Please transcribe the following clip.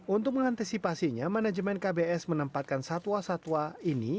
untuk mengantisipasinya manajemen kbs menempatkan satwa satwa ini